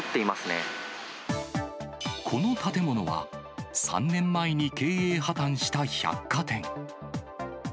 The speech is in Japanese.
この建物は、３年前に経営破綻した百貨店。